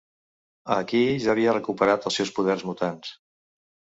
A aquí ja havia recuperat els seus poders mutants.